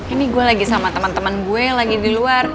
ini gue lagi sama temen temen gue lagi di luar